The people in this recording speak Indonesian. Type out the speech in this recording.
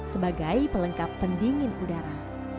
sebagai pelengkap pendingin udara